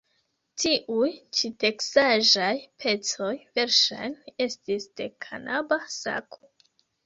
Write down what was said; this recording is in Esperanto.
Tiuj ĉi teksaĵaj pecoj verŝajne estis de kanaba sako.